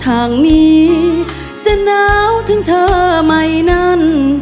ทางนี้จะหนาวถึงเธอไหมนั้น